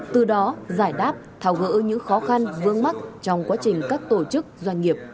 từ đó giải đáp thảo gỡ những khó khăn vương mắc trong quá trình các tổ chức doanh nghiệp